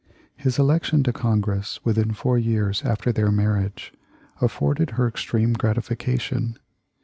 His election to Con gress within four years after their marriage afforded her extreme gratification.